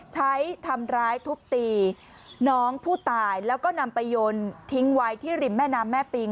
ใช้ทำร้ายทุบตีน้องผู้ตายแล้วก็นำไปโยนทิ้งไว้ที่ริมแม่น้ำแม่ปิง